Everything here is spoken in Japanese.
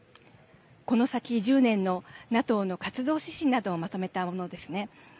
この先１０年のＮＡＴＯの活動指針などをまとめたものですね。